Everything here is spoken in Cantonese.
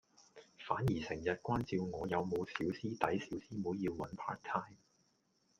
反而成日關照我有冇小師弟小師妹要搵 Part Time